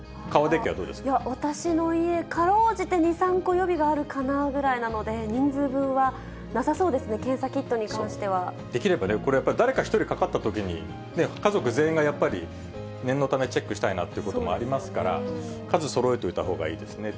私の家、かろうじて２、３個予備があるかなというくらいなので、人数分はなさそうですね、できればね、これはやっぱり１人がかかったときに、家族全員がやっぱり、念のためチェックしたいなということもありますから、数そろえておいたほうがいいですね。